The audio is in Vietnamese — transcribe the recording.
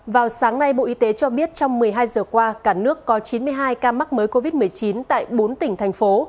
vào sáng nay bộ y tế cho biết trong một mươi hai giờ qua cả nước có chín mươi hai ca mắc mới covid một mươi chín tại bốn tỉnh thành phố